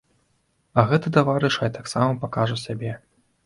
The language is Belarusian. А гэты таварыш хай таксама пакажа сябе.